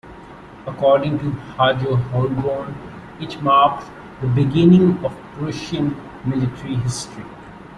According to Hajo Holborn, it marked "the beginning of Prussian military history".